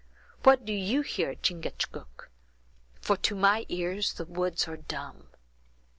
What do you hear, Chingachgook? for to my ears the woods are dumb."